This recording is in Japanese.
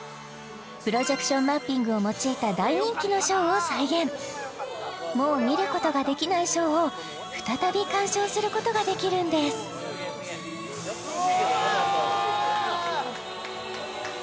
プロジェクションマッピングを用いた大人気のショーを再現もう見ることができないショーを再び鑑賞することができるんですうわ！